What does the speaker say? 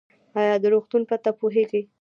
ایا د روغتون پته پوهیږئ؟